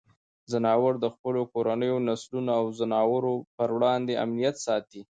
ځناور د خپلو کورنیو نسلونو او ځناورو پر وړاندې امنیت ساتي.